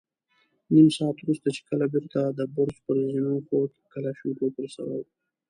نيم ساعت وروسته چې کله بېرته د برج پر زينو خوت، کلاشينکوف ور سره و.